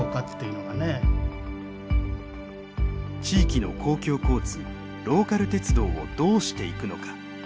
地域の公共交通ローカル鉄道をどうしていくのか。